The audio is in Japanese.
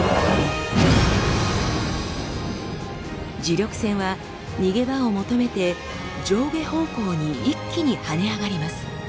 磁力線は逃げ場を求めて上下方向に一気に跳ね上がります。